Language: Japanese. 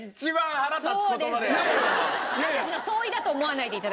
私たちの総意だと思わないで頂きたい。